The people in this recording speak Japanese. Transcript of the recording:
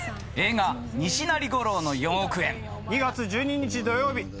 映画『西成ゴローの四億円』２月１２日土曜日。